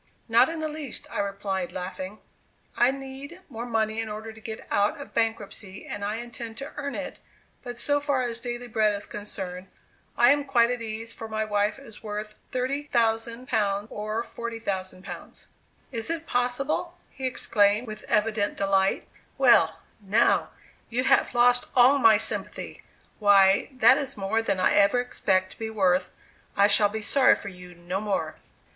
"Not in the least," I replied, laughing; "I need more money in order to get out of bankruptcy and I intend to earn it; but so far as daily bread is concerned, I am quite at ease, for my wife is worth £30,000 or £40,000." "Is it possible?" he exclaimed, with evident delight; "well, now, you have lost all my sympathy; why, that is more than I ever expect to be worth; I shall be sorry for you no more."